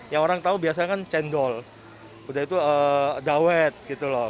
yang orang tahu biasanya kan cendol udah itu dawet gitu loh